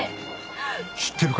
知ってるか？